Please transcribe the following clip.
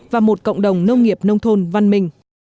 và một cộng đồng nông nghiệp nông thôn văn minh